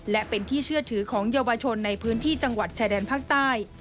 และเป็นที่เชื่อถือของเยาวชนในพื้นที่จังหวัดชายแดนภาคใต้